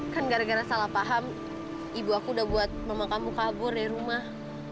kan gara gara salah paham ibu aku udah buat mama kamu kabur dari rumah